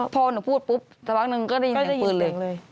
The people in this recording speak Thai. พอหนูพูดปุ๊บสักพักหนึ่งก็ได้ยินเสียงปืนเลย